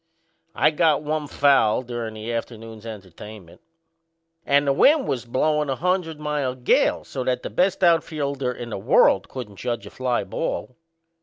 I got one foul durin' the afternoon's entertainment; and the wind was blowin' a hundred mile gale, so that the best outfielder in the world couldn't judge a fly ball.